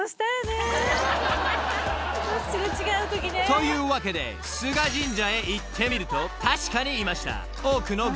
というわけで須賀神社へ行ってみると確かにいました多くの外国人女性］